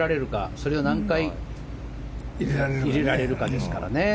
それを何回入れられるかですからね。